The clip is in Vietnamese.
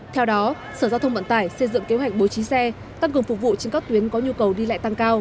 theo đó sở giao thông vận tải xây dựng kế hoạch bố trí xe tăng cường phục vụ trên các tuyến có nhu cầu đi lại tăng cao